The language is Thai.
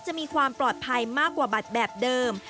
จะมีความปลอดภัยมากกว่าบัตรแบบเดิม